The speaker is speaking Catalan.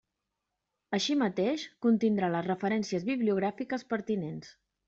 Així mateix, contindrà les referències bibliogràfiques pertinents.